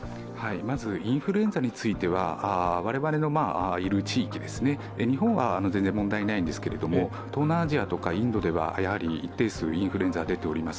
まずインフルエンザについては我々のいる地域、日本は全然問題ないんですが東南アジアとかインドでは一定数インフルエンサーが出ております。